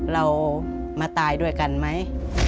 เรามาตายด้วยกันไหม